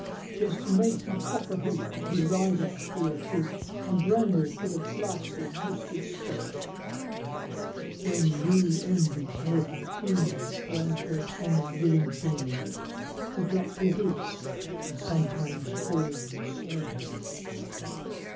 Yes, it makes you cock a hoop to be "Rider" to your troop, And branded with a blasted worsted spur, When you envy, O how keenly, one poor Tommy living cleanly Who blacks your boots and sometimes calls you "Sir".